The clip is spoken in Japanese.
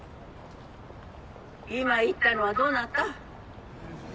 今言ったのはどなた？